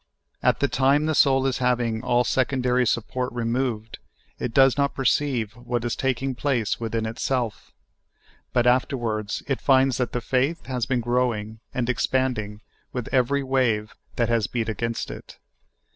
At the time the soul is having all secondary support removed, it does not perceive w^hat is taking place within itself, but afterw^ards it finds that faith has been growing and expanding with every wave that has beat against it.